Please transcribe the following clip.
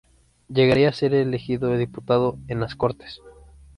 Llegaría a ser elegido diputado en las Cortes.